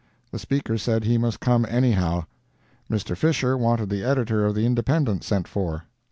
The Speaker said he must come anyhow. Mr. Fisher wanted the editor of the Independent sent for.